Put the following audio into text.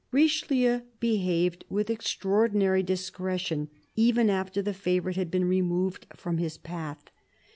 Richelieu behaved with extraordinary discretion, even after the favourite had been removed from his path.